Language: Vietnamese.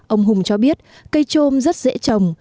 ông hùng cho biết cây trôm rất dễ trồng